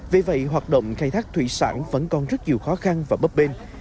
vì vậy hoạt động khai thác thủy sản vẫn còn rất nhiều khó khăn và bấp bên